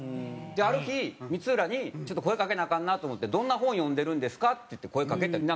ある日光浦にちょっと声掛けなアカンなと思って「どんな本読んでるんですか？」っていって声掛けてん。